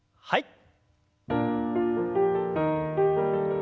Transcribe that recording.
はい。